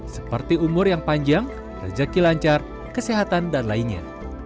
seperti umur yang panjang rezeki lancar kesehatan dan lainnya